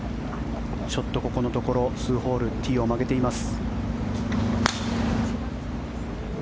ちょっとここのところ数ホールティーを曲げています。